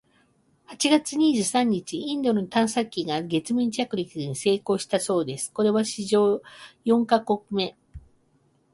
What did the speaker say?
八月二十三日、インドの探査機が月面着陸に成功したそうです！（これは歴史上四カ国目！）